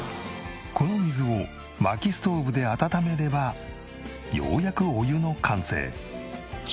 この水を薪ストーブで温めればようやくお湯の完成。